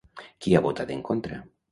Qui ha votat en contra?